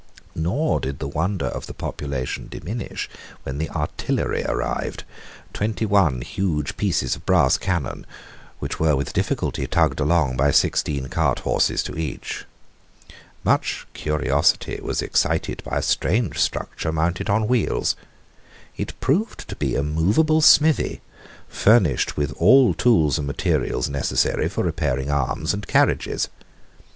Nor did the wonder of the population diminish when the artillery arrived, twenty one huge pieces of brass cannon, which were with difficulty tugged along by sixteen cart horses to each. Much curiosity was excited by a strange structure mounted on wheels. It proved to be a moveable smithy, furnished with all tools and materials necessary for repairing arms and carriages.